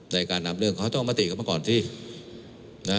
ในการทำเรื่องต้องมาติกกับมาก่อนไปที่